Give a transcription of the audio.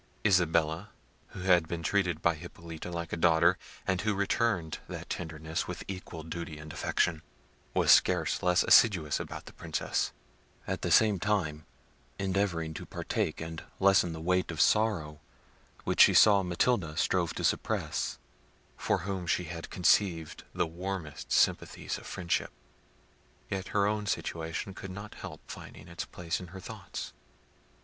Isabella, who had been treated by Hippolita like a daughter, and who returned that tenderness with equal duty and affection, was scarce less assiduous about the Princess; at the same time endeavouring to partake and lessen the weight of sorrow which she saw Matilda strove to suppress, for whom she had conceived the warmest sympathy of friendship. Yet her own situation could not help finding its place in her thoughts.